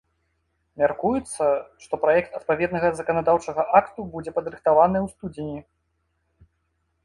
Мяркуецца, што праект адпаведнага заканадаўчага акту будзе падрыхтаваны ў студзені.